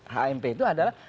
hmp itu adalah